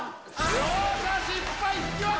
両者失敗、引き分け。